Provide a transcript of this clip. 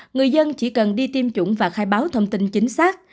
người dân chỉ cần đi tiêm chủng và khai báo thông tin chính xác